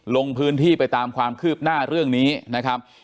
ลงพื้นที่ไปตามความคืบหน้าเรื่องนี้นะครับ